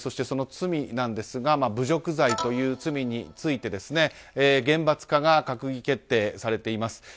その罪なんですが侮辱罪という罪について厳罰化が閣議決定されています。